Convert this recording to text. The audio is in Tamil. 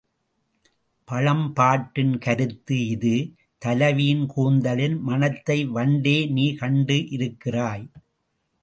பழம்பாட்டின் கருத்து இது தலைவியின் கூந்தலின் மணத்தை வண்டே நீ கண்டு இருக்கிறாய்.